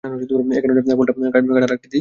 এ কারণেই ফলটা কাঁটার আকৃতি পায়।